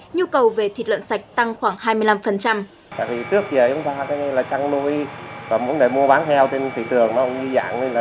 nhu cầu về thịt lợn sạch tăng khoảng hai mươi năm